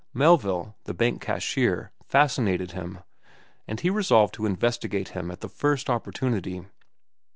Melville, the bank cashier, fascinated him, and he resolved to investigate him at the first opportunity.